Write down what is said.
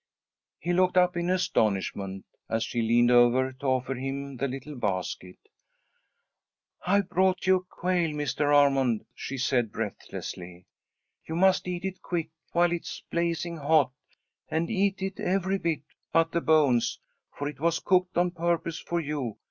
He looked up in astonishment as she leaned over to offer him the little basket. "I've brought you a quail, Mr. Armond," she said, breathlessly. "You must eat it quick, while it's blazing hot, and eat it every bit but the bones, for it was cooked on purpose for you.